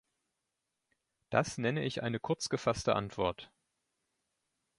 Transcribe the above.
Das nenne ich eine kurzgefasste Antwort.